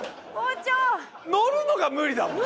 校長乗るのが無理だもん！